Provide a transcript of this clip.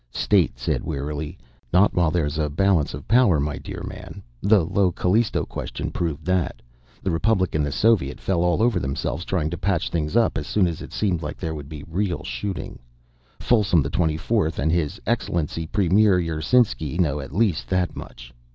State said wearily: "Not while there's a balance of power, my dear man. The Io Callisto Question proved that. The Republic and the Soviet fell all over themselves trying to patch things up as soon as it seemed that there would be real shooting. Folsom XXIV and his excellency Premier Yersinsky know at least that much."